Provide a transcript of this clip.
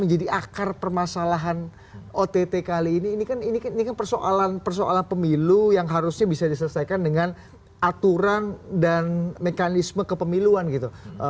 menjadi akar permasalahan ott kali ini kan persoalan persoalan pemilu yang harusnya bisa diselesaikan dengan aturan dan mekanisme kepemiluan gitu